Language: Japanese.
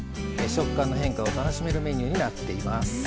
食感の変化を楽しめるメニューになっています。